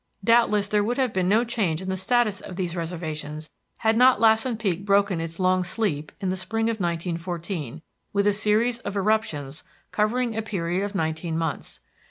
Doubtless there would have been no change in the status of these reservations had not Lassen Peak broken its long sleep in the spring of 1914 with a series of eruptions covering a period of nineteen months.